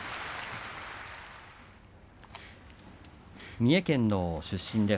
三重県の出身です